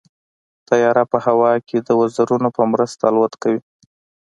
طیاره په هوا کې د وزرونو په مرسته الوت کوي.